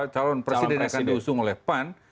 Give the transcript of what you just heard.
calon presiden yang akan diusung oleh pan